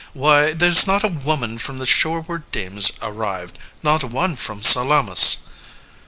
Why, there's not a woman From the shoreward demes arrived, not one from Salamis.